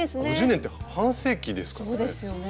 ５０年って半世紀ですからね。